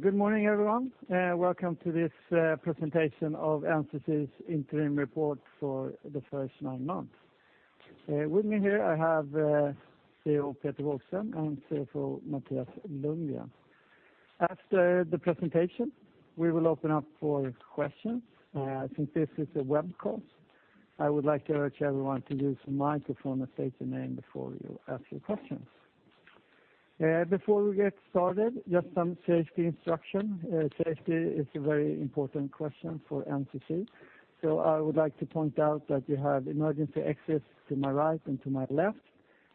Good morning, everyone. Welcome to this presentation of NCC's interim report for the first nine months. With me here, I have CEO Peter Wågström and CFO Mattias Lundgren. After the presentation, we will open up for questions. Since this is a web call, I would like to urge everyone to use the microphone and state your name before you ask your questions. Before we get started, just some safety instruction. Safety is a very important question for NCC, so I would like to point out that you have emergency exits to my right and to my left,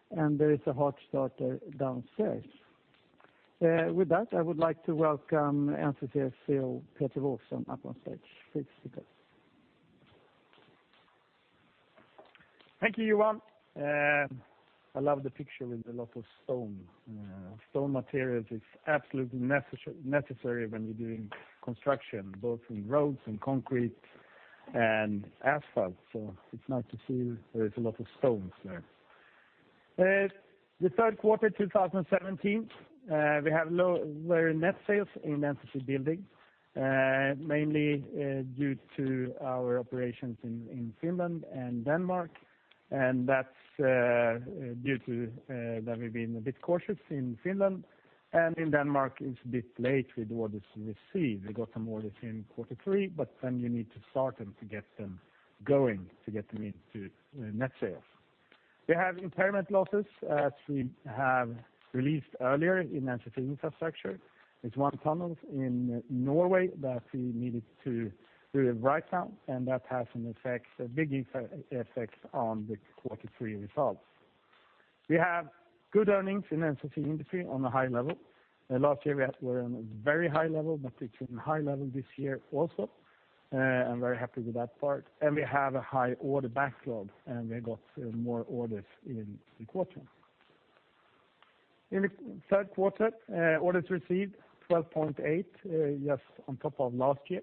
and there is a heart starter downstairs. With that, I would like to welcome NCC's CEO, Peter Wågström up on stage. Please, Peter. Thank you, Johan. I love the picture with a lot of stone. Stone materials is absolutely necessary when you're doing construction, both in roads and concrete and asphalt, so it's nice to see there is a lot of stones there. The third quarter 2017, we have lower net sales in NCC Building, mainly due to our operations in Finland and Denmark, and that's due to that we've been a bit cautious in Finland, and in Denmark, it's a bit late with orders received. We got some orders in quarter three, but then you need to start them to get them going, to get them into net sales. We have impairment losses, as we have released earlier in NCC Infrastructure. It's one tunnel in Norway that we needed to do a write-down, and that has an effect, a big effect, effect on the quarter three results. We have good earnings in NCC Industry on a high level. Last year, we had, we were on a very high level, but it's in high level this year also. I'm very happy with that part, and we have a high order backlog, and we got more orders in the quarter. In the third quarter, orders received 12.8 billion on top of last year,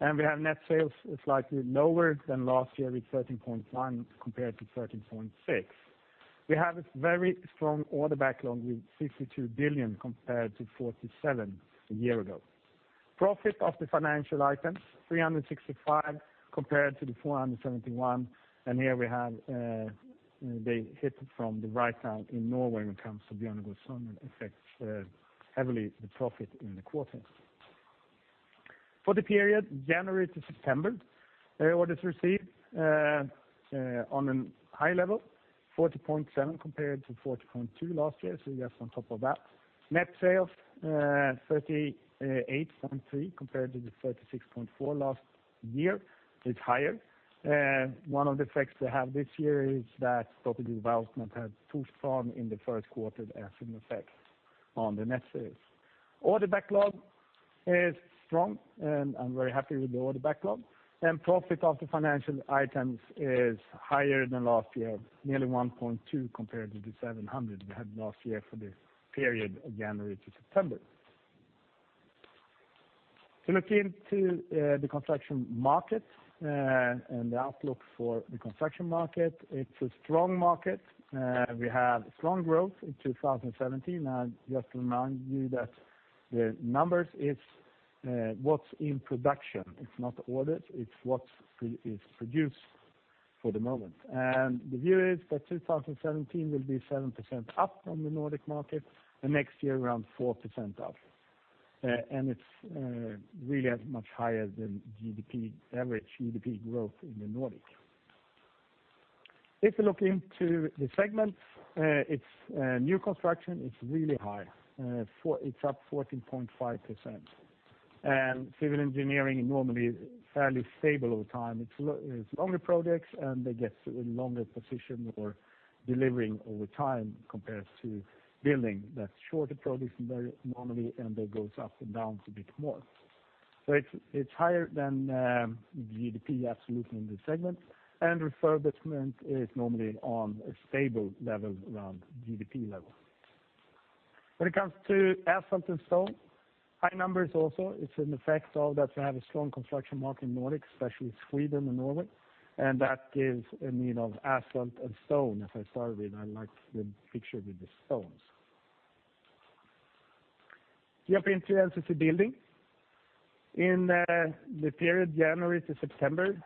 and we have net sales slightly lower than last year, with 13.1 billion compared to 13.6 billion. We have a very strong order backlog, with 62 billion compared to 47 billion a year ago. Profit of the financial items, 365 compared to 471, and here we have the hit from the write-down in Norway when it comes to [Bjørnafjorden] that affects heavily the profit in the quarter. For the period January to September, orders received on a high level, 40.7 billion compared to 40.2 billion last year, so just on top of that. Net sales, 38.3 billion compared to 36.4 billion last year, it's higher. One of the effects we have this year is that property development had two strong in the first quarter, has an effect on the net sales. Order backlog is strong, and I'm very happy with the order backlog, and profit after financial items is higher than last year, nearly 1.2 compared to the 700 we had last year for the period of January to September. So looking to the construction market, and the outlook for the construction market, it's a strong market. We have strong growth in 2017, and just to remind you that the numbers is what's in production. It's not orders, it's what's produced for the moment. And the view is that 2017 will be 7% up on the Nordic market, and next year, around 4% up. And it's really much higher than GDP, average GDP growth in the Nordic. If you look into the segment, new construction is really high. It's up 14.5%, and civil engineering is normally fairly stable over time. It's longer projects, and they get a longer position or delivering over time compared to building. That's shorter projects, and very normally, and it goes up and down a bit more. So it's higher than GDP, absolutely, in the segment, and refurbishment is normally on a stable level, around GDP level. When it comes to asphalt and stone, high numbers also, it's an effect of that we have a strong construction market in Nordic, especially Sweden and Norway, and that gives a need of asphalt and stone. As I started with, I liked the picture with the stones. Jumping to NCC Building. In the period January to September,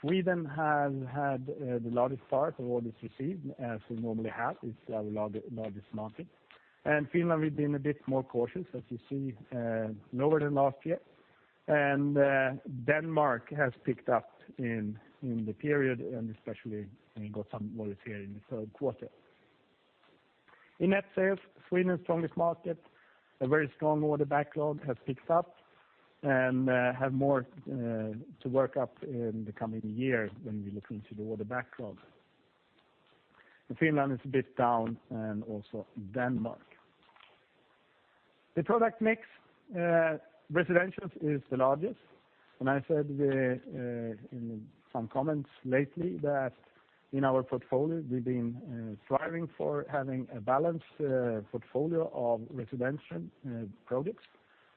Sweden has had the largest part of orders received, as we normally have. It's our largest market. Finland, we've been a bit more cautious, as you see, lower than last year. Denmark has picked up in the period, and especially, we got some orders here in the third quarter. In net sales, Sweden, strongest market, a very strong order backlog, has picked up, and have more to work up in the coming year when we look into the order backlog. In Finland, it's a bit down, and also Denmark. The product mix, residentials is the largest, and I said in some comments lately that in our portfolio, we've been thriving for having a balanced portfolio of residential products,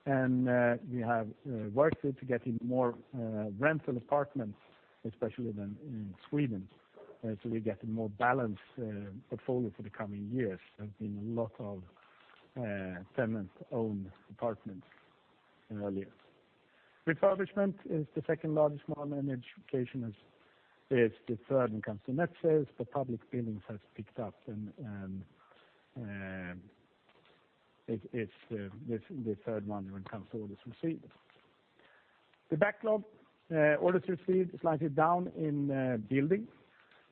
and we have worked it to get in more rental apartments, especially than in Sweden. We get a more balanced portfolio for the coming years. There have been a lot of tenant-owned apartments earlier. Refurbishment is the second largest one, and education is the third when it comes to net sales, but public buildings has picked up, and it's the third one when it comes to orders received. The backlog, orders received is slightly down in building.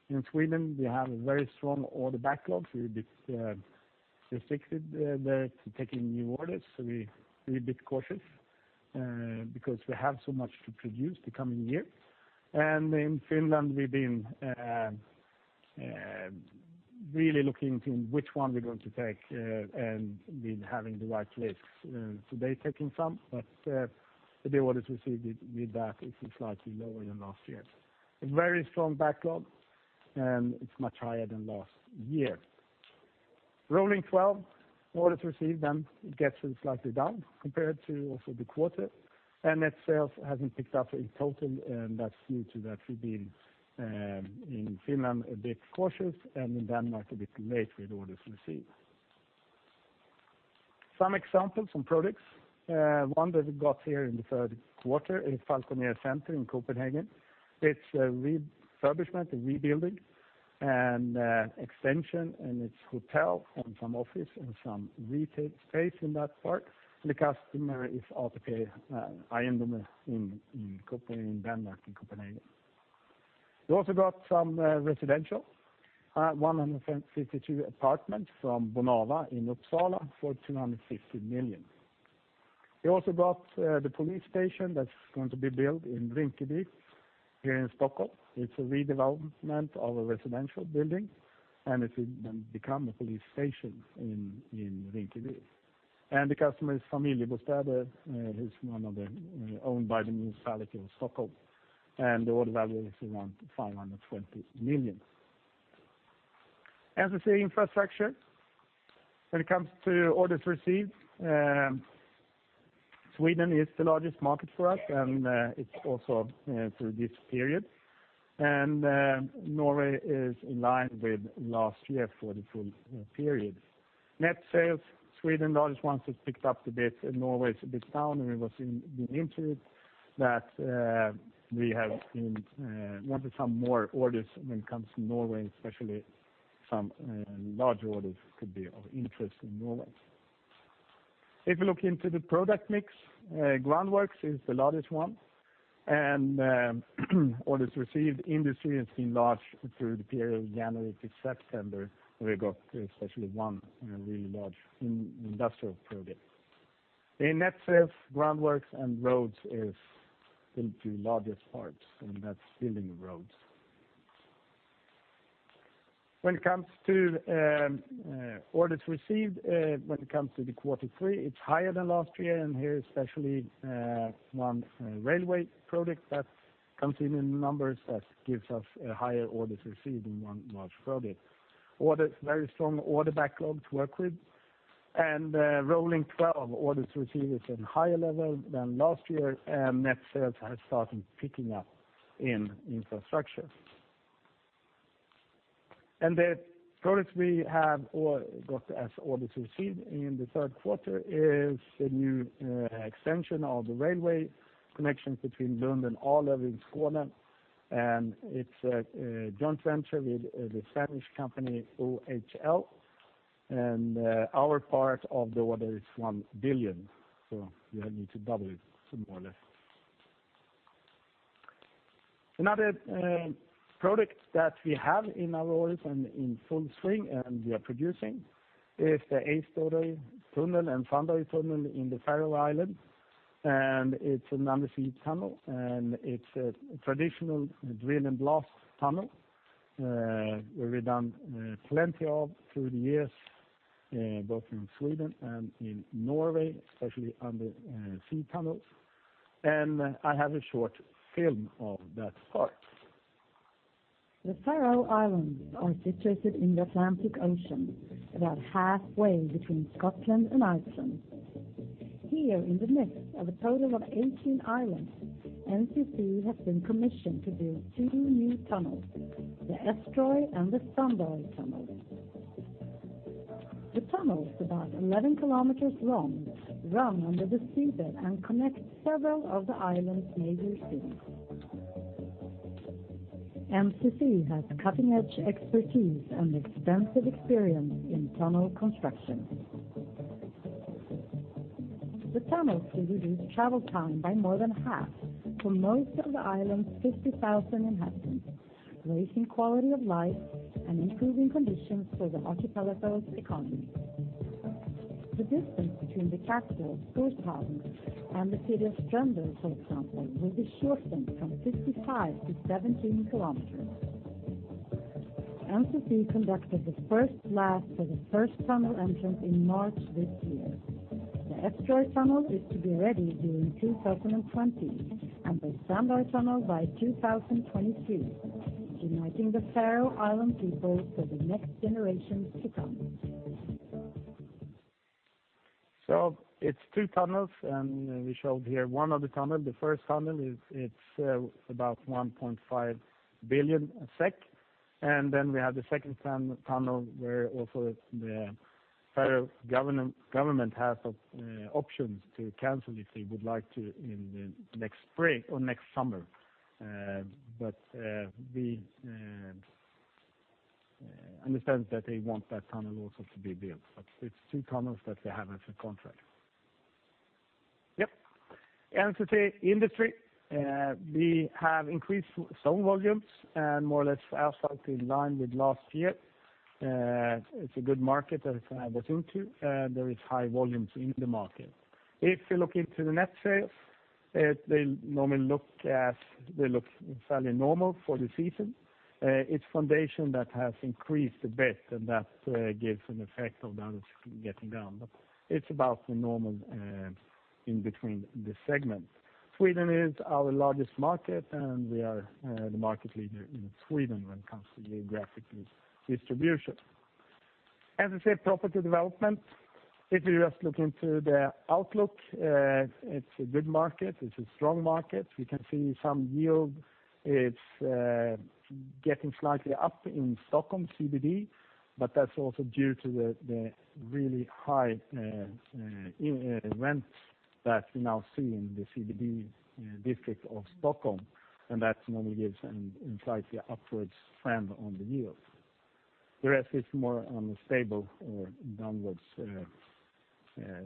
In Sweden, we have a very strong order backlog, so we've been restricted there to taking new orders, so we're a bit cautious because we have so much to produce the coming year. And in Finland, we've been really looking to which one we're going to take, and with having the right lists, and so they're taking some, but the orders received with that is slightly lower than last year. A very strong backlog, and it's much higher than last year. Rolling 12 orders received, then it gets slightly down compared to also the quarter, and net sales hasn't picked up in total, and that's due to that we've been in Finland a bit cautious, and in Denmark, a bit late with orders received. Some examples from products, one that we got here in the third quarter is Falkoner Center in Copenhagen. It's a refurbishment, a rebuilding, and extension, and it's hotel and some office and some retail space in that part. The customer is ATP Ejendomme in Denmark, in Copenhagen. We also got some residential, 152 apartments from Bonava in Uppsala for 250 million. We also got the police station that's going to be built in Rinkeby, here in Stockholm. It's a redevelopment of a residential building, and it will then become a police station in Rinkeby. And the customer is Familjebostäder, who's one of the, owned by the municipality of Stockholm, and the order value is around 520 million. NCC Infrastructure, when it comes to orders received, Sweden is the largest market for us, and, it's also, through this period, and, Norway is in line with last year for the full, period. Net sales, Sweden, the largest one, has picked up a bit, and Norway is a bit down, and it was in the interest that, we have been, wanted some more orders when it comes to Norway, especially some, large orders could be of interest in Norway. If you look into the product mix, groundworks is the largest one, and orders received, industry has been large through the period January to September. We got especially one really large industrial project. In net sales, groundworks and roads is the two largest parts, and that's building roads. When it comes to orders received, when it comes to the quarter three, it's higher than last year, and here, especially one railway project that comes in in numbers that gives us a higher orders received in one large project. Orders, very strong order backlog to work with, and rolling 12 orders received is in higher level than last year, and net sales has started picking up in infrastructure. The product we have or got as orders received in the third quarter is the new extension of the railway connection between Lund and Arlöv in Skåne, and it's a joint venture with the Spanish company OHL, and our part of the order is 1 billion, so you need to double it, so more or less. Another product that we have in our orders and in full swing, and we are producing, is the Eysturoy Tunnel and Sandoy Tunnel in the Faroe Islands, and it's an undersea tunnel, and it's a traditional drill and blast tunnel, where we've done plenty of through the years, both in Sweden and in Norway, especially under sea tunnels, and I have a short film of that part. The Faroe Islands are situated in the Atlantic Ocean, about halfway between Scotland and Iceland. Here, in the midst of a total of 18 islands, NCC has been commissioned to build two new tunnels: the Eysturoy and the Sandoy tunnels. The tunnels, about 11 km long, run under the seabed and connect several of the island's major cities. NCC has cutting-edge expertise and extensive experience in tunnel construction. The tunnels will reduce travel time by more than half for most of the island's 50,000 inhabitants, raising quality of life and improving conditions for the archipelago's economy. The distance between the capital, Torshavn, and the city of Streymoy, for example, will be shortened from 55 to 17 km. NCC conducted the first blast for the first tunnel entrance in March this year. The Eysturoy Tunnel is to be ready during 2020, and the Sandoy Tunnel by 2022, uniting the Faroe Islands people for the next generations to come. ... So it's two tunnels, and we showed here one of the tunnel. The first tunnel is about 1.5 billion. And then we have the second tunnel, where also the federal government has options to cancel if they would like to in the next spring or next summer. But we understand that they want that tunnel also to be built, but it's two tunnels that they have as a contract. Yep. As I say, industry, we have increased some volumes and more or less absolutely in line with last year. It's a good market as I was into, there is high volumes in the market. If you look into the net sales, they normally look—they look fairly normal for the season. It's foundation that has increased a bit, and that gives an effect of the others getting down. But it's about the normal in between the segment. Sweden is our largest market, and we are the market leader in Sweden when it comes to geographically distribution. As I said, property development, if you just look into the outlook, it's a good market. It's a strong market. We can see some yield. It's getting slightly up in Stockholm CBD, but that's also due to the really high event that we now see in the CBD district of Stockholm, and that normally gives a slightly upwards trend on the yield. The rest is more on the stable or downwards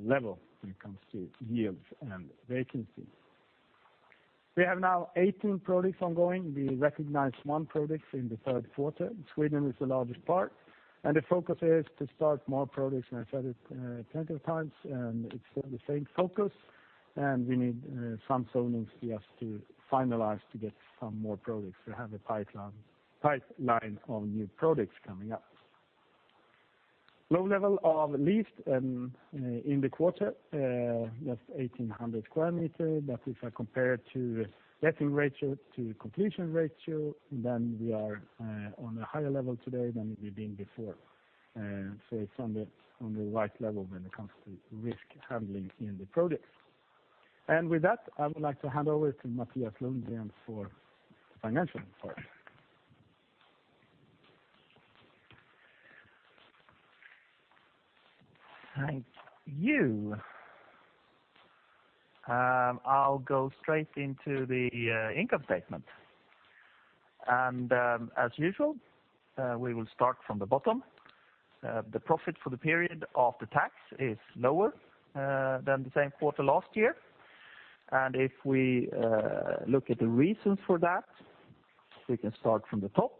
level when it comes to yields and vacancy. We have now 18 products ongoing. We recognize one product in the third quarter. Sweden is the largest part, and the focus is to start more products, and I've said it, plenty of times, and it's still the same focus, and we need, some zonings just to finalize to get some more products. We have a pipeline, pipeline on new products coming up. Low level of lease, in the quarter, just 1,800 sq m. But if I compare it to getting ratio, to completion ratio, then we are, on a higher level today than we've been before. So it's on the, on the right level when it comes to risk handling in the projects. And with that, I would like to hand over to Mattias Lundgren for financial part. Thank you. I'll go straight into the income statement. As usual, we will start from the bottom. The profit for the period of the tax is lower than the same quarter last year. If we look at the reasons for that, we can start from the top.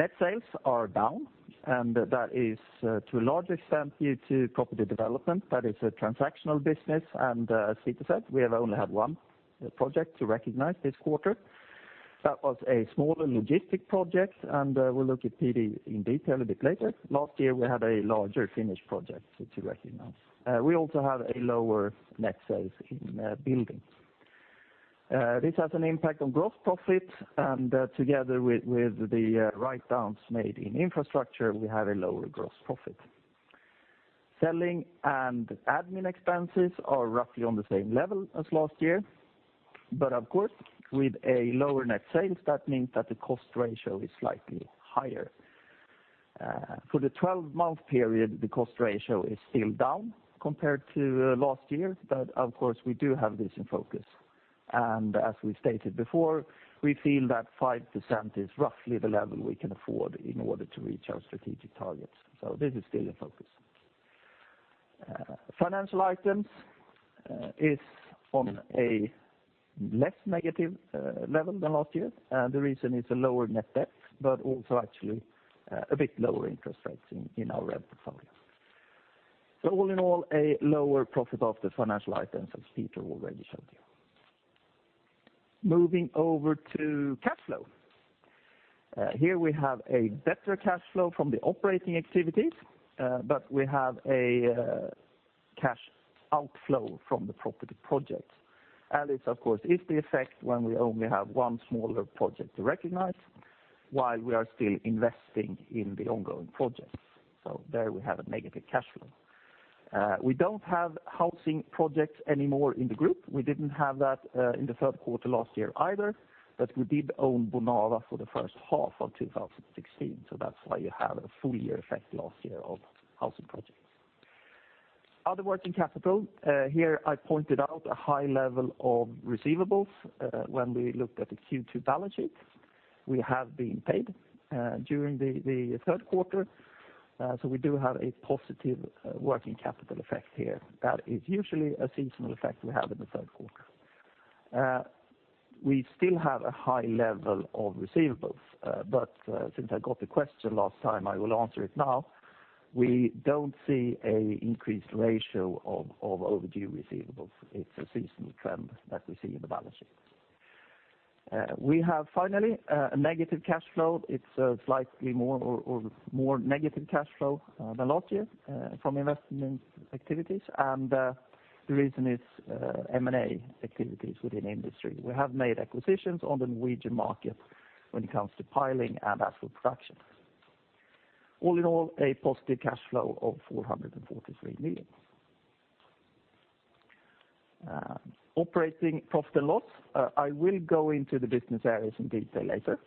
Net sales are down, and that is to a large extent due to Property Development. That is a transactional business, and as Peter said, we have only had one project to recognize this quarter. That was a smaller logistic project, and we'll look at PD in detail a bit later. Last year, we had a larger finished project to recognize. We also have a lower net sales in Building. This has an impact on gross profit, and together with, with the, write-downs made in infrastructure, we have a lower gross profit. Selling and admin expenses are roughly on the same level as last year, but of course, with a lower net sales, that means that the cost ratio is slightly higher. For the 12th month period, the cost ratio is still down compared to last year, but of course, we do have this in focus. And as we stated before, we feel that 5% is roughly the level we can afford in order to reach our strategic targets. So this is still in focus. Financial items is on a less negative level than last year. And the reason is a lower net debt, but also actually a bit lower interest rates in our portfolio. So all in all, a lower profit of the financial items, as Peter already showed you. Moving over to cash flow. Here we have a better cash flow from the operating activities, but we have a cash outflow from the property projects. And it, of course, is the effect when we only have one smaller project to recognize, while we are still investing in the ongoing projects. So there we have a negative cash flow. We don't have housing projects anymore in the group. We didn't have that in the third quarter last year either, but we did own Bonava for the first half of 2016. So that's why you have a full year effect last year of housing projects. Other working capital, here, I pointed out a high level of receivables when we looked at the Q2 balance sheet. We have been paid during the third quarter, so we do have a positive working capital effect here. That is usually a seasonal effect we have in the third quarter. We still have a high level of receivables, but since I got the question last time, I will answer it now. We don't see an increased ratio of overdue receivables. It's a seasonal trend that we see in the balance sheet. We have finally a negative cash flow. It's slightly more or more negative cash flow than last year from investment activities, and the reason is M&A activities within industry. We have made acquisitions on the Norwegian market when it comes to piling and asphalt production. All in all, a positive cash flow of 443 million. Operating profit and loss, I will go into the business areas in detail later.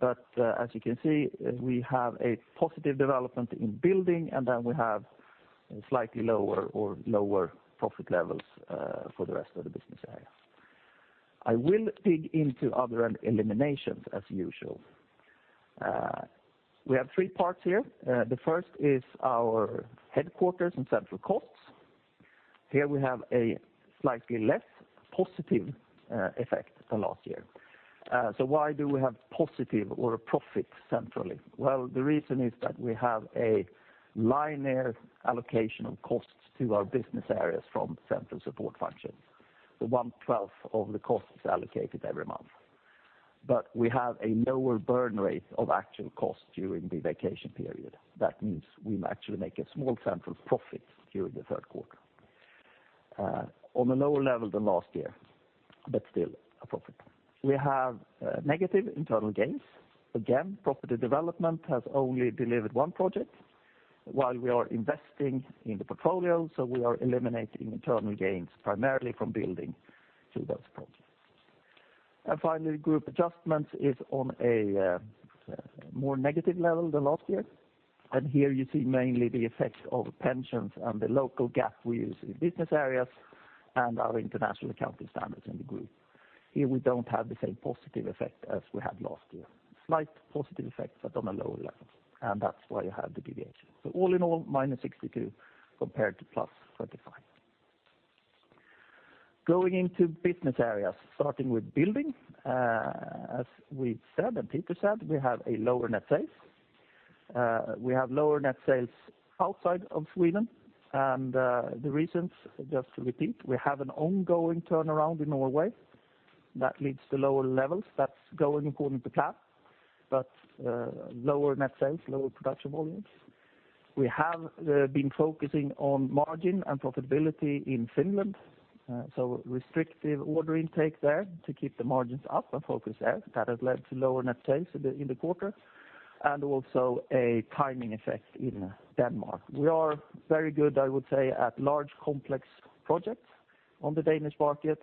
But, as you can see, we have a positive development in building, and then we have a slightly lower or lower profit levels, for the rest of the business areas. I will dig into other eliminations, as usual. We have three parts here. The first is our headquarters and central costs. Here we have a slightly less positive, effect than last year. So why do we have positive or a profit centrally? Well, the reason is that we have a linear allocation of costs to our business areas from central support functions. The 1/12 of the cost is allocated every month. But we have a lower burn rate of actual costs during the vacation period. That means we actually make a small central profit during the third quarter, on a lower level than last year, but still a profit. We have negative internal gains. Again, property development has only delivered one project, while we are investing in the portfolio, so we are eliminating internal gains, primarily from building to those projects. Finally, group adjustments is on a more negative level than last year. Here you see mainly the effect of pensions and the local GAAP we use in business areas and our international accounting standards in the group. Here, we do not have the same positive effect as we had last year. Slight positive effects, but on a lower level, and that is why you have the deviation. All in all, minus 62 million compared to plus 35 million. Going into business areas, starting with building, as we said, and Peter said, we have a lower net sales. We have lower net sales outside of Sweden, and the reasons, just to repeat, we have an ongoing turnaround in Norway that leads to lower levels. That's going according to plan, but lower net sales, lower production volumes. We have been focusing on margin and profitability in Finland, so restrictive order intake there to keep the margins up and focus there. That has led to lower net sales in the, in the quarter, and also a timing effect in Denmark. We are very good, I would say, at large, complex projects on the Danish market,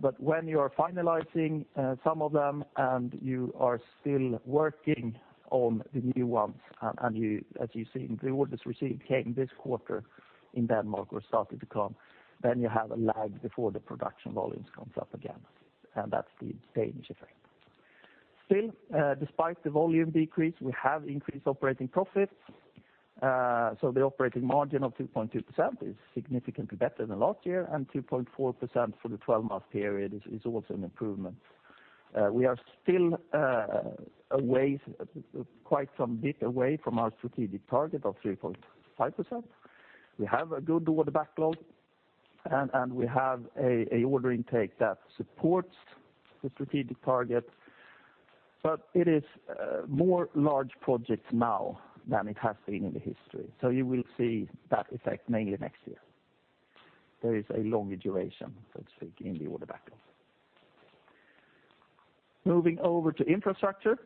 but when you are finalizing some of them and you are still working on the new ones, and you, as you see in pre-orders received, came this quarter in Denmark, or started to come, then you have a lag before the production volumes comes up again, and that's the Danish effect. Still, despite the volume decrease, we have increased operating profits. So the operating margin of 2.2% is significantly better than last year, and 2.4% for the 12th month period is also an improvement. We are still away, quite some bit away from our strategic target of 3.5%. We have a good order backlog, and we have a order intake that supports the strategic target, but it is more large projects now than it has been in the history. So you will see that effect mainly next year. There is a longer duration, so to speak, in the order backlog. Moving over to infrastructure,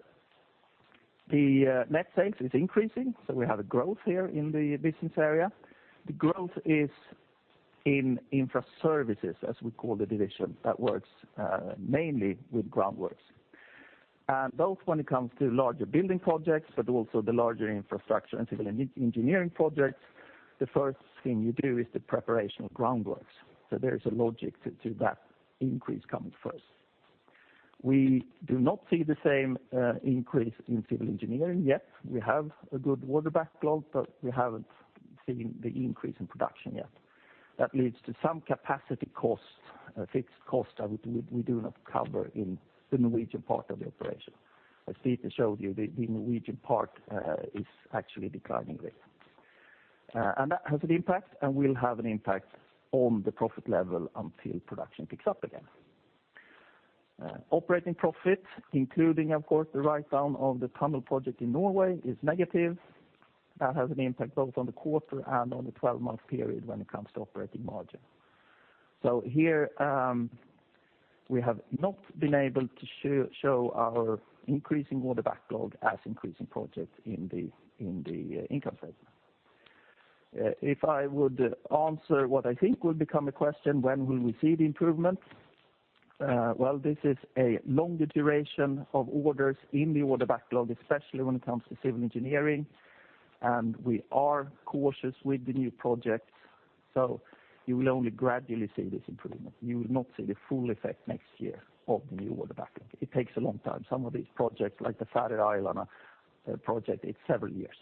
the net sales is increasing, so we have a growth here in the business area. The growth is in infra services, as we call the division, that works mainly with groundworks. And both when it comes to larger building projects, but also the larger infrastructure and civil engineering projects, the first thing you do is the preparation of groundworks. So there is a logic to that increase coming first. We do not see the same increase in civil engineering yet. We have a good order backlog, but we haven't seen the increase in production yet. That leads to some capacity costs, fixed costs that we do not cover in the Norwegian part of the operation. As Peter showed you, the Norwegian part is actually declining rate. And that has an impact, and will have an impact on the profit level until production picks up again. Operating profit, including, of course, the write-down of the tunnel project in Norway, is negative. That has an impact both on the quarter and on the 12-month period when it comes to operating margin. So here, we have not been able to show our increasing order backlog as increasing projects in the income statement. If I would answer what I think will become a question, when will we see the improvement? Well, this is a longer duration of orders in the order backlog, especially when it comes to civil engineering, and we are cautious with the new projects, so you will only gradually see this improvement. You will not see the full effect next year of the new order backlog. It takes a long time. Some of these projects, like the Faroe Islands project, it's several years.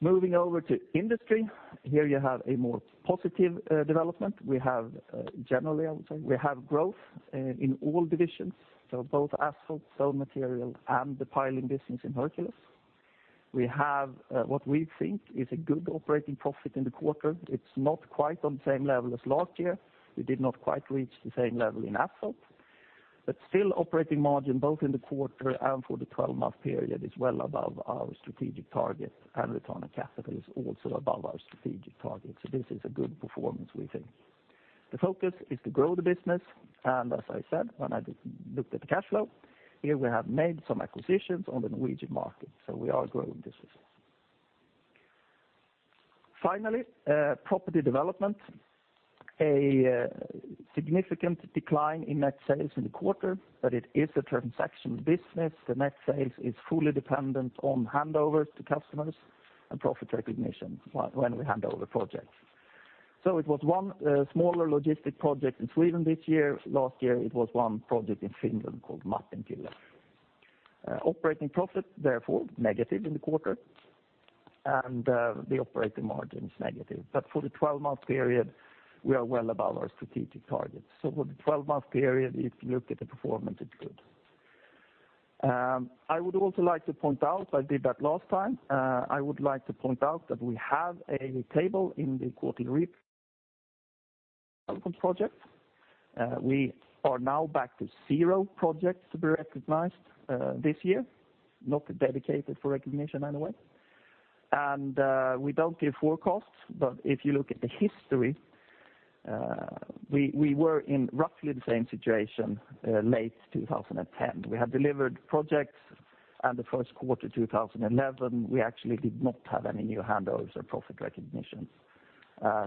Moving over to industry, here you have a more positive development. We have generally, I would say, we have growth in all divisions, so both Asphalt, Stone materials, and the Piling Business in Hercules. We have what we think is a good operating profit in the quarter. It's not quite on the same level as last year. We did not quite reach the same level in asphalt. Still, operating margin, both in the quarter and for the 12th month period, is well above our strategic target, and return on capital is also above our strategic target. This is a good performance, we think. The focus is to grow the business, and as I said, when I looked at the cash flow, here we have made some acquisitions on the Norwegian market, so we are growing the business. Finally, property development. A significant decline in net sales in the quarter, but it is a transaction business. The net sales is fully dependent on handovers to customers and profit recognition when we hand over projects. It was one smaller logistic project in Sweden this year. Last year, it was one project in Finland called Mattin Killa. Operating profit, therefore, negative in the quarter, and the operating margin is negative. But for the 12th month period, we are well above our strategic targets. So for the 12th month period, if you look at the performance, it's good. I would also like to point out, I did that last time, I would like to point out that we have a table in the quarterly project. We are now back to zero projects to be recognized this year, not dedicated for recognition anyway. And we don't give forecasts, but if you look at the history, we were in roughly the same situation late 2010. We had delivered projects, and the first quarter 2011, we actually did not have any new handovers or profit recognitions.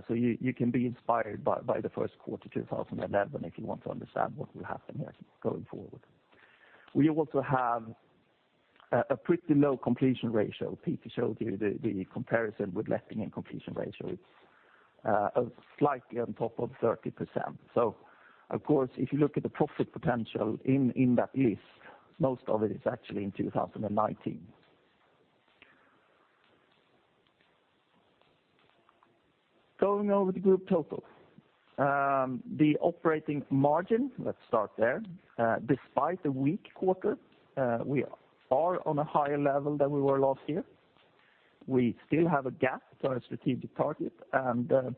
You can be inspired by the first quarter, 2011, if you want to understand what will happen here going forward. We also have a pretty low completion ratio. Peter showed you the comparison with left and completion ratio. It's slightly on top of 30%. Of course, if you look at the profit potential in that list, most of it is actually in 2019. Going over the group total, the operating margin, let's start there. Despite the weak quarter, we are on a higher level than we were last year. We still have a gap to our strategic target, and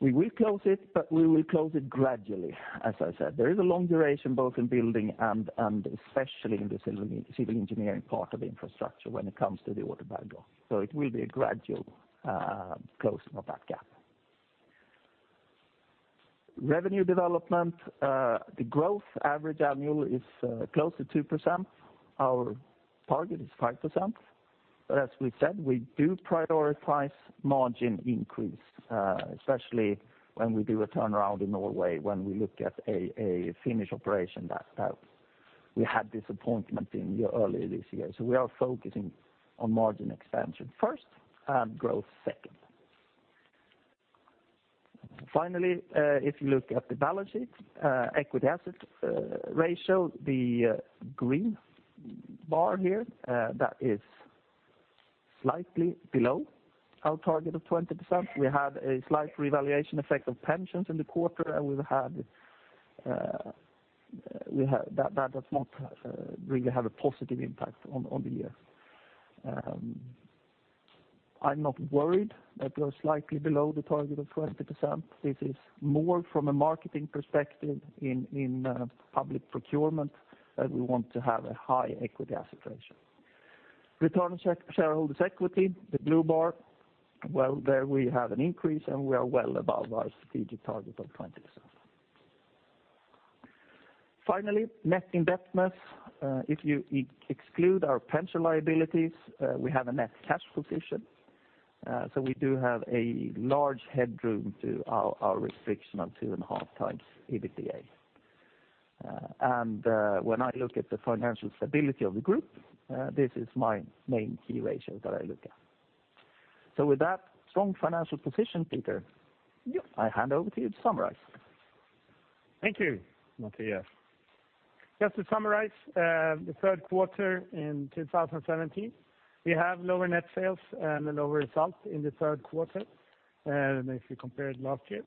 we will close it, but we will close it gradually, as I said. There is a long duration, both in building and especially in the civil engineering part of infrastructure when it comes to the order backlog. So it will be a gradual closing of that gap. Revenue development, the growth average annual is close to 2%. Our target is 5%. But as we said, we do prioritize margin increase, especially when we do a turnaround in Norway, when we look at a Finnish operation that we had disappointment in earlier this year. So we are focusing on margin expansion first and growth second. Finally, if you look at the balance sheet, Equity Asset Ratio, the green bar here, that is slightly below our target of 20%. We had a slight revaluation effect of pensions in the quarter, and we've had. That does not really have a positive impact on the year. I'm not worried that we are slightly below the target of 20%. This is more from a marketing perspective in public procurement, that we want to have a high Equity Asset Ratio. Return on Shareholders' Equity, the blue bar. Well, there we have an increase, and we are well above our strategic target of 20%. Finally, net indebtedness. If you exclude our pension liabilities, we have a net cash position. So we do have a large headroom to our restriction on 2.5x EBITDA. When I look at the financial stability of the group, this is my main key ratio that I look at. So with that strong financial position, Peter? Yep. I hand over to you to summarize. Thank you, Mattias. Just to summarize, the third quarter in 2017, we have lower net sales and a lower result in the third quarter, if you compare it to last year.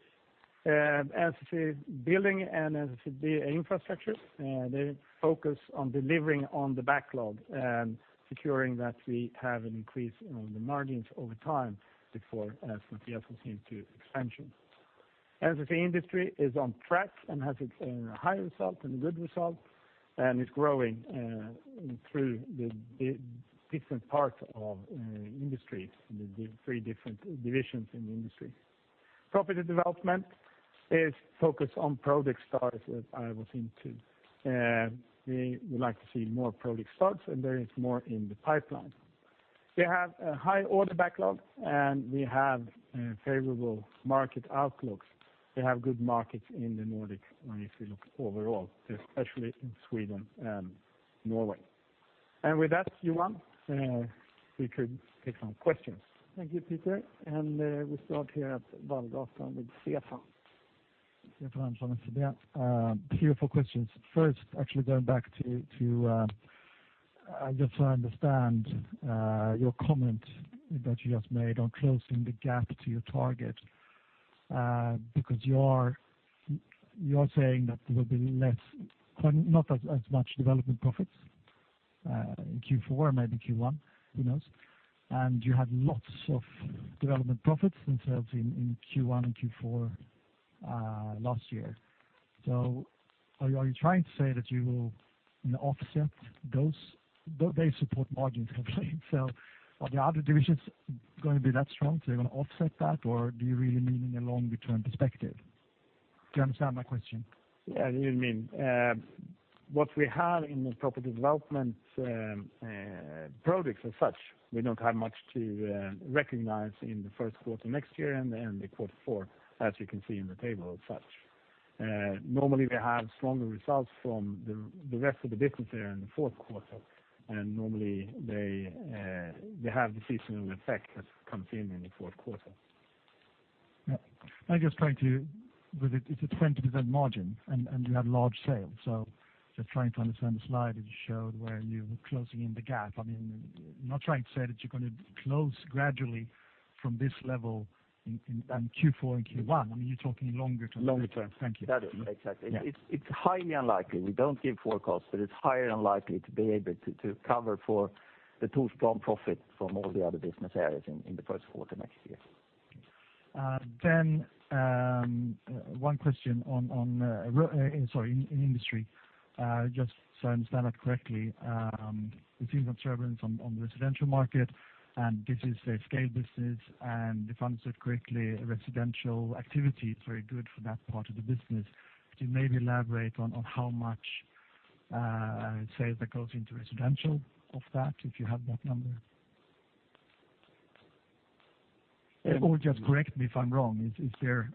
As to building and as to the infrastructure, they focus on delivering on the backlog and securing that we have an increase in the margins over time before CCM expansion. As the industry is on track and has its high result and good result, and is growing through the different parts of industry, the three different divisions in the industry. Property development is focused on project starts, as I was into. We would like to see more project starts, and there is more in the pipeline. We have a high order backlog, and we have favorable market outlooks. We have good markets in the Nordics when if you look overall, especially in Sweden and Norway. With that, Johan, we could take some questions. Thank you, Peter, and we start here at [Stefan Vargas] with CFAN. Stefan, from CFAN. A few questions. First, actually going back to, to, just so I understand, your comment that you just made on closing the gap to your target, because you are saying that there will be less, not as much development profits in Q4, maybe Q1, who knows? You had lots of development profits in sales in Q1 and Q4 last year. Are you trying to say that you will, you know, offset those—they support margins completely, so are the other divisions going to be that strong, so they're going to offset that? Or do you really mean in a long return perspective? Do you understand my question? Yeah, I do mean what we have in the property development, products as such. We don't have much to recognize in the first quarter next year, and then the quarter four, as you can see in the table as such. Normally, we have stronger results from the rest of the business there in the fourth quarter, and normally they have the seasonal effect that comes in the fourth quarter. Yeah. I'm just trying to... With it, it's a 20% margin, and, and you have large sales, so just trying to understand the slide that you showed where you were closing in the gap. I mean, I'm not trying to say that you're going to close gradually from this level in, in, Q4 and Q1. I mean, you're talking longer term. Longer term. Thank you. That is exactly. Yeah. It's highly unlikely. We don't give forecasts, but it's highly unlikely to be able to cover for the too strong profit from all the other business areas in the first quarter next year. Then, one question on, sorry, in industry. Just so I understand that correctly, it seems observations on the residential market, and this is a scale business, and if I understand correctly, a residential activity is very good for that part of the business. Could you maybe elaborate on how much sales that goes into residential of that, if you have that number? And- Or just correct me if I'm wrong. Is there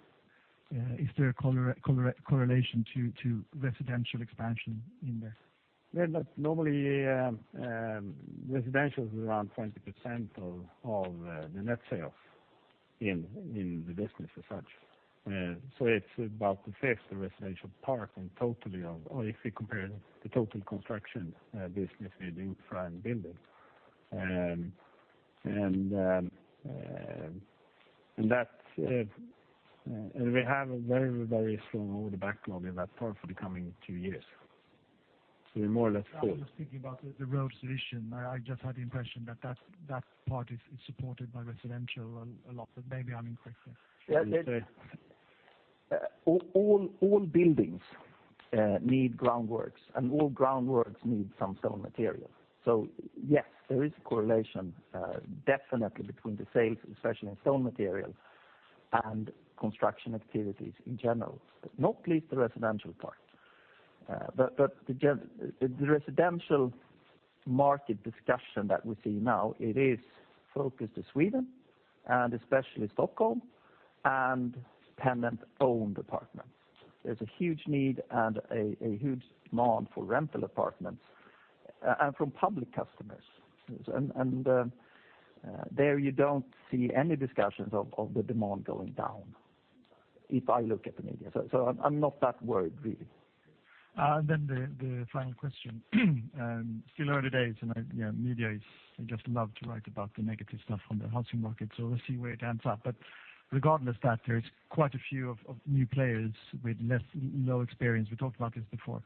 a correlation to residential expansion in there? Well, but normally, residential is around 20% of the net sales in the business as such. So it's about a fifth, the residential part, and totally of... Or if we compare the total construction business with infra and building. And we have a very, very strong order backlog in that part for the coming two years. So we're more or less full. I was thinking about the road solution. I just had the impression that that part is supported by residential a lot, but maybe I'm incorrect there. Yeah, all buildings need groundworks, and all groundworks need some stone material. So yes, there is a correlation, definitely between the sales, especially in stone materials and construction activities in general, not least the residential part. But the residential market discussion that we see now, it is focused to Sweden and especially Stockholm and tenant-owned apartments. There's a huge need and a huge demand for rental apartments, and from public customers. And you don't see any discussions of the demand going down, if I look at the media. So I'm not that worried, really. The final question. Still early days, and I, yeah, media is, they just love to write about the negative stuff on the housing market, so we'll see where it ends up. Regardless of that, there is quite a few of, of new players with less, no experience. We talked about this before.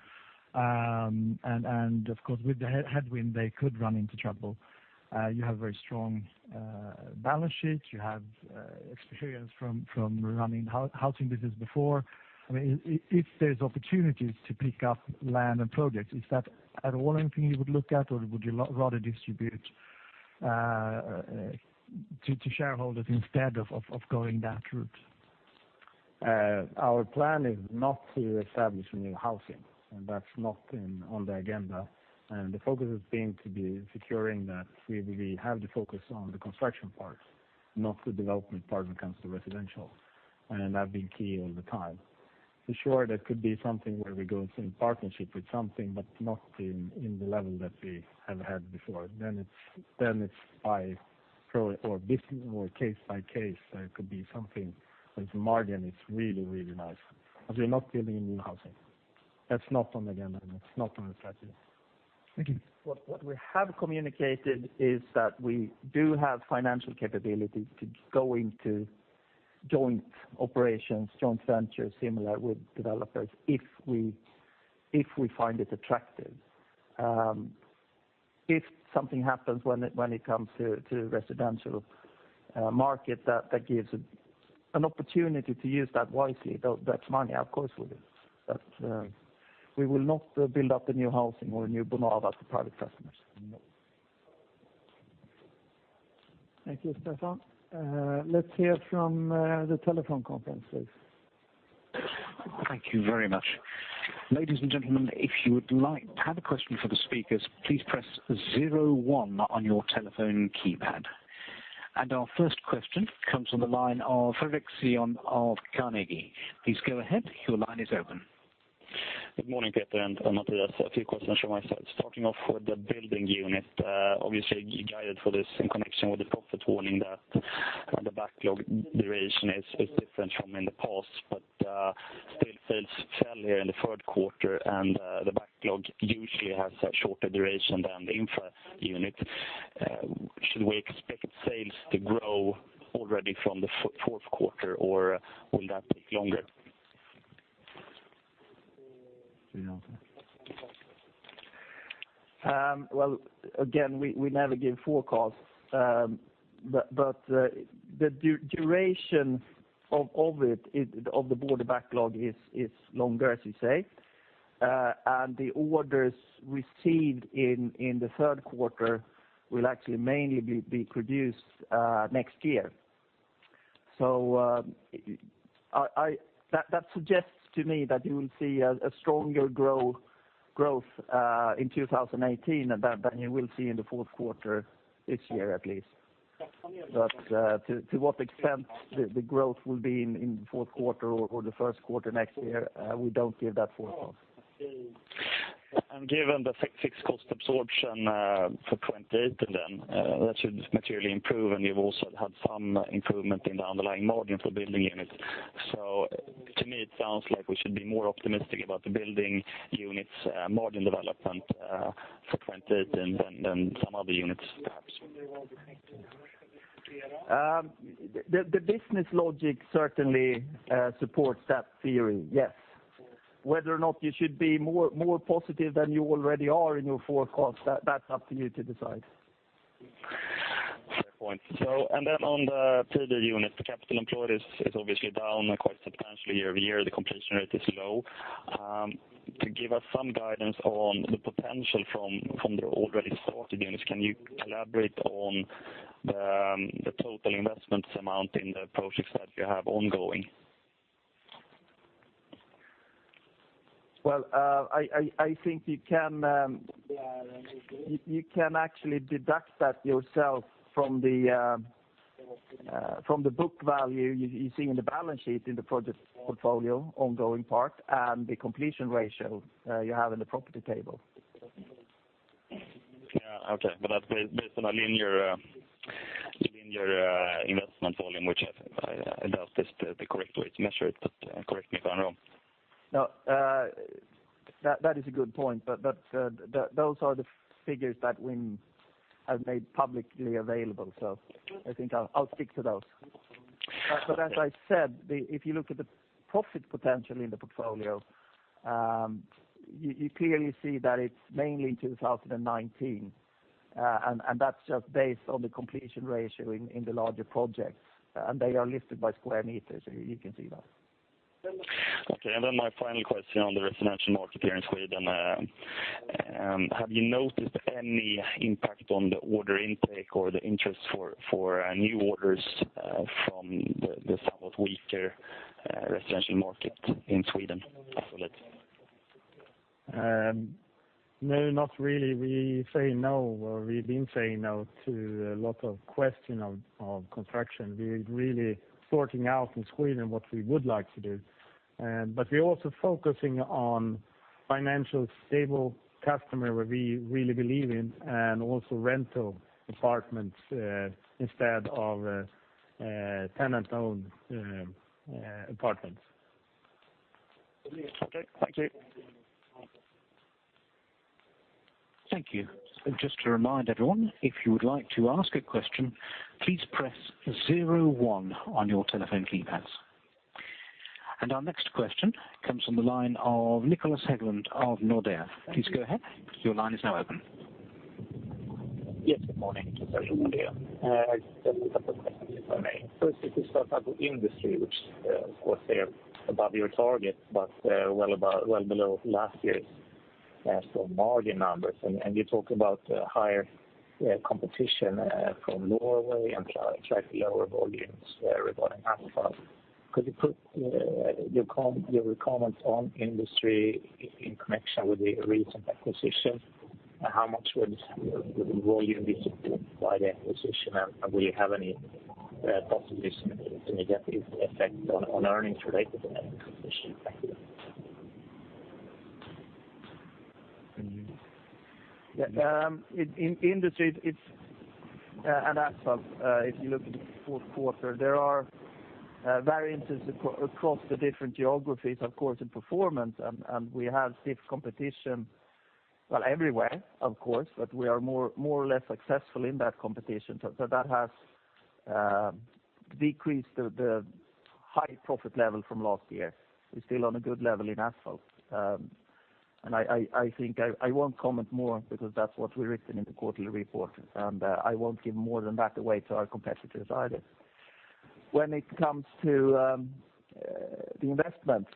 Of course, with the head, headwind, they could run into trouble. You have very strong, balance sheets. You have, experience from, from running hou- housing business before. I mean, i- i- if there's opportunities to pick up land and projects, is that at all anything you would look at, or would you ra- rather distribute, to, to shareholders instead of, of, of going that route? Our plan is not to establish new housing, and that's not in, on the agenda. The focus has been to be securing that we have the focus on the construction parts, not the development part when it comes to residential, and I've been key all the time. For sure, that could be something where we go in partnership with something, but not in, in the level that we have had before. Then it's by pro or bus- or case by case, so it could be something, but the margin is really, really nice. But we're not building any new housing. That's not on the agenda, and it's not on the strategy. Thank you. What we have communicated is that we do have financial capability to go into joint operations, joint ventures, similar with developers, if we, if we find it attractive. If something happens when it comes to residential market, that gives an opportunity to use that wisely, though, that's money, of course we will. But, we will not build up the new housing or new Bonava to private customers. Thank you, Stefan. Let's hear from the telephone conference, please. Thank you very much. Ladies and gentlemen, if you would like to have a question for the speakers, please press zero one on your telephone keypad. Our first question comes from the line of Fredrik Zion of Carnegie. Please go ahead. Your line is open. Good morning, Peter and Mattias. A few questions from my side. Starting off with the building unit, obviously, you guided for this in connection with the profit warning that the backlog duration is, is different from in the past, but, still sales fell here in the third quarter, and, the backlog usually has a shorter duration than the infra unit. Should we expect sales to grow already from the fourth quarter, or will that take longer? Well, again, we never give forecasts. The duration of it, of the order backlog is longer, as you say. The orders received in the third quarter will actually mainly be produced next year. I think that suggests to me that you will see a stronger growth in 2018 than you will see in the fourth quarter this year, at least. To what extent the growth will be in the fourth quarter or the first quarter next year, we don't give that forecast. Given the fixed cost absorption for 2018, and then, that should materially improve, and you've also had some improvement in the underlying margin for building units. So to me, it sounds like we should be more optimistic about the building units margin development for 2018 than some other units, perhaps? The business logic certainly supports that theory, yes. Whether or not you should be more positive than you already are in your forecast, that's up to you to decide. Fair point. So and then on the third unit, the capital employed is obviously down quite substantially year-over-year. The completion rate is low. Could you give us some guidance on the potential from the already started units? Can you elaborate on the total investment amount in the projects that you have ongoing? Well, I think you can actually deduct that yourself from the book value you see in the balance sheet, in the project portfolio, ongoing part, and the completion ratio you have in the property table. Yeah. Okay. But that's, based on a linear, linear, investment volume, which I think, I doubt is the, the correct way to measure it, but, correct me if I'm wrong. No, that is a good point, but those are the figures that we have made publicly available, so I think I'll stick to those. But as I said, the... If you look at the profit potential in the portfolio, you clearly see that it's mainly 2019. And that's just based on the completion ratio in the larger projects, and they are listed by square meters, so you can see that. Okay. Then my final question on the residential market here in Sweden, have you noticed any impact on the order intake or the interest for new orders from the somewhat weaker residential market in Sweden of late? No, not really. We say no, or we've been saying no to a lot of question of construction. We're really sorting out in Sweden what we would like to do. But we're also focusing on financial stable customer, where we really believe in, and also rental apartments, instead of tenant-owned apartments. Okay. Thank you. Thank you. And just to remind everyone, if you would like to ask a question, please press zero one on your telephone keypads. And our next question comes from the line of Niklas Haglund of Nordea. Please go ahead. Your line is now open. Yes, good morning. I just have a couple of questions, if I may. First, if we start out with industry, which was there above your target, but well about well below last year's so margin numbers. And you talk about higher competition from Norway and slightly lower volumes regarding asphalt. Could you put your comments on industry in connection with the recent acquisition, and how much would volume be supported by the acquisition? And will you have any positive or negative effect on earnings related to that acquisition? Thank you. In industry, it's and asphalt, if you look at the fourth quarter, there are variances across the different geographies, of course, in performance. And we have stiff competition, well, everywhere, of course, but we are more or less successful in that competition. So that has decreased the high profit level from last year. We're still on a good level in asphalt. And I think I won't comment more because that's what we've written in the quarterly report, and I won't give more than that away to our competitors either. When it comes to the investments,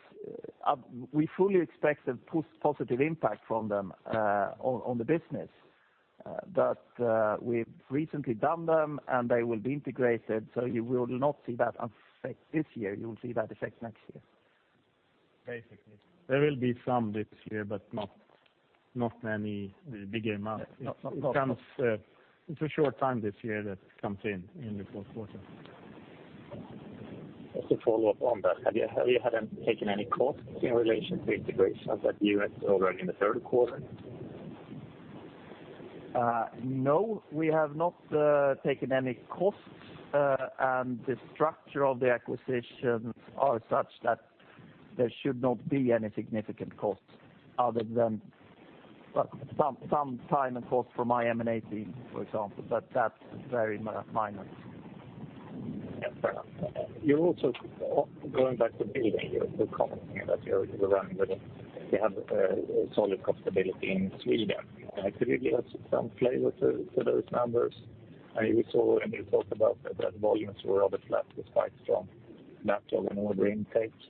we fully expect a positive impact from them on the business. But we've recently done them, and they will be integrated, so you will not see that effect this year. You will see that effect next year. Basically, there will be some this year, but not, not many bigger amount. Not, not- It comes, it's a short time this year that comes in, in the fourth quarter. Just to follow up on that, haven't you taken any costs in relation to integration that you had already in the third quarter? No, we have not taken any costs. And the structure of the acquisitions are such that there should not be any significant costs other than, well, some time and cost from my M&A team, for example, but that's very minor. ... Yes, fair enough. You're also going back to building. You're commenting that you're running with it. You have a solid profitability in Sweden. Could you give us some flavor to those numbers? And we saw you talked about that volumes were rather flat, despite strong backlog and order intakes.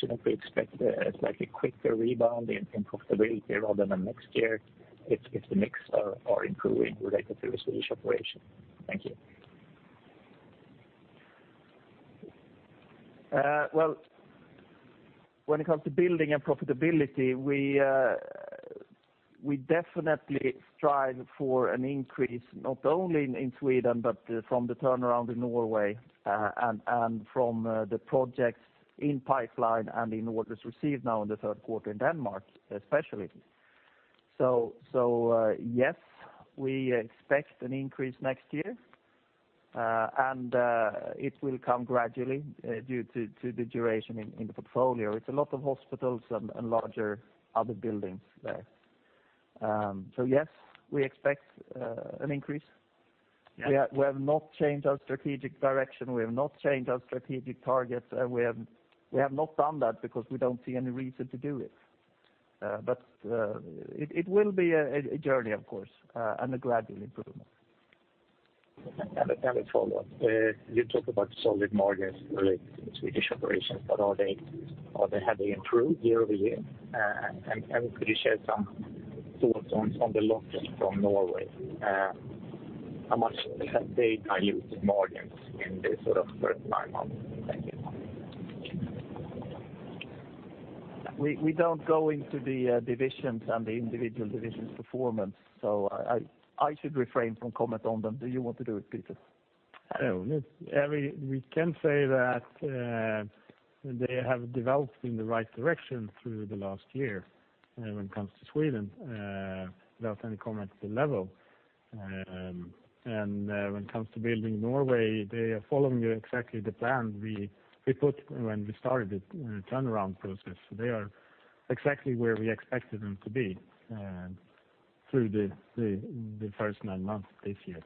Shouldn't we expect a slightly quicker rebound in profitability rather than next year, if the mix are improving related to the Swedish operation? Thank you. Well, when it comes to building and profitability, we definitely strive for an increase, not only in Sweden, but from the turnaround in Norway, and from the projects in pipeline and in orders received now in the third quarter in Denmark, especially. So, yes, we expect an increase next year, and it will come gradually, due to the duration in the portfolio. It's a lot of hospitals and larger other buildings there. So yes, we expect an increase. We have not changed our strategic direction, we have not changed our strategic targets, and we have not done that because we don't see any reason to do it. But it will be a journey, of course, and a gradual improvement. A follow-up. You talk about solid margins related to the Swedish operations, but are they, or have they improved year-over-year? And could you share some thoughts on the losses from Norway? How much have they diluted margins in the sort of first nine months? Thank you. We don't go into the divisions and the individual divisions' performance, so I should refrain from comment on them. Do you want to do it, Peter? No, no. We can say that they have developed in the right direction through the last year, when it comes to Sweden, without any comment at the level. And when it comes to Building Norway, they are following exactly the plan we put when we started the turnaround process. So they are exactly where we expected them to be, through the first nine months this year.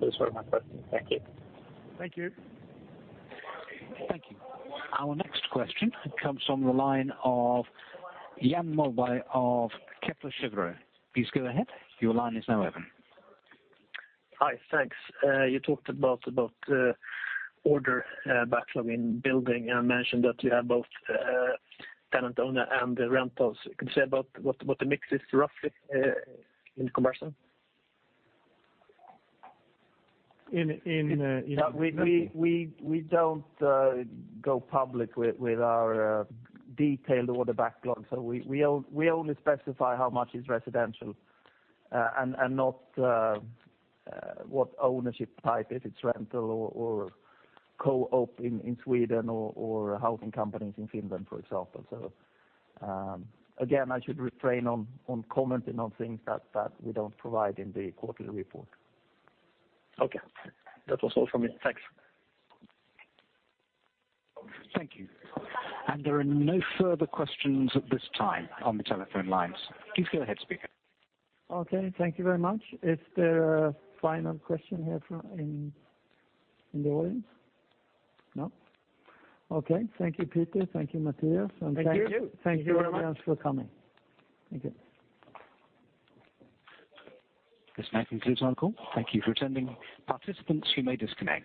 Those were my questions. Thank you. Thank you. Thank you. Our next question comes from the line of [Jan Mobay] of Kepler Cheuvreux. Please go ahead, your line is now open. Hi, thanks. You talked about Order Backlog in Building, and mentioned that you have both tenant owner and rentals. You can say about what the mix is roughly in comparison? In We don't go public with our detailed order backlog. So we only specify how much is residential, and not what ownership type, if it's rental or co-op in Sweden, or housing companies in Finland, for example. So again, I should refrain on commenting on things that we don't provide in the quarterly report. Okay. That was all for me. Thanks. Thank you. There are no further questions at this time on the telephone lines. Please go ahead, speaker. Okay, thank you very much. Is there a final question here from, in the audience? No? Okay. Thank you, Peter, thank you, Mattias. Thank you. Thank you very much for coming. Thank you. This now concludes our call. Thank you for attending. Participants, you may disconnect.